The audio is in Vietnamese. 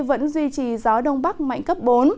vẫn duy trì gió đông bắc mạnh cấp bốn